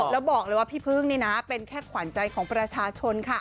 แล้วบอกเลยว่าพี่พึ่งนี่นะเป็นแค่ขวัญใจของประชาชนค่ะ